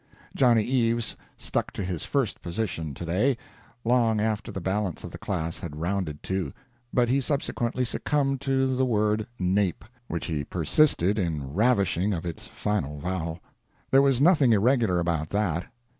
Johnny Eaves stuck to his first position, to day, long after the balance of the class had rounded to, but he subsequently succumbed to the word "nape," which he persisted in ravishing of its final vowel. There was nothing irregular about that.